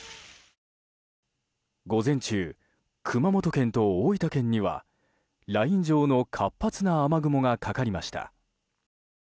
午前中、熊本県と大分県にはライン状の活発な雨雲がかかりました。